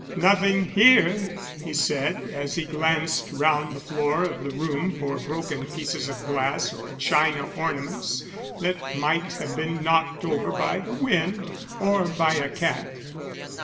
"Nothing here," he said, as he glanced round the floor of the room for broken pieces of glass or china ornaments that might have been knocked over by the wind or by a cat.